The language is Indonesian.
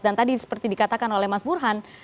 dan tadi seperti dikatakan oleh mas burhan